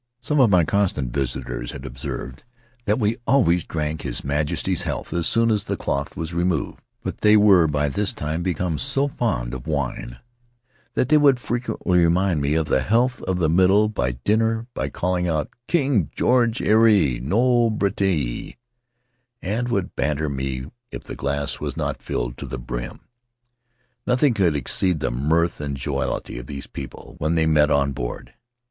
"Some of my constant visitors had observed that we always drank His Majesty's health as soon as the cloth was removed; but they were by this time become so fond of wine that they would frequently remind me of the health in the middle of dinner by calling out, 'King George Earee no Brittanee'; and would banter me if the glass was not filled to the brim. Nothing could exceed the mirth and jollity of these people when they met on board."